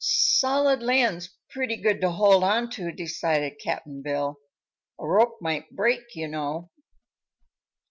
"Solid land's pretty good to hold on to," decided Cap'n Bill. "A rope might break, you know."